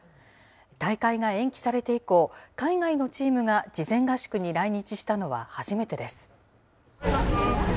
大会が延期されて以降、海外のチームが事前合宿に来日したのは初めてです。